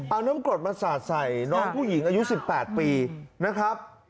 เอาน้ำกรดมาสาดใส่น้องผู้หญิงอายุ๑๘ปีนะครับ